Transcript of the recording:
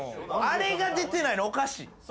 あれが出てないのおかしい。